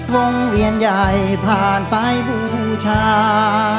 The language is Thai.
วงเวียนใหญ่ผ่านไปบูชา